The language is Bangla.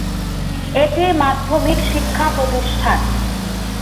এটি মাধ্যমিক শিক্ষা প্রতিষ্ঠান।